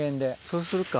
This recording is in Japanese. そうするか。